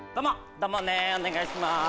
どうもねお願いします。